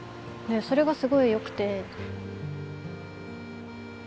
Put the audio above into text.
それがすごいよくて。